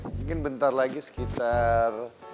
mungkin bentar lagi sekitar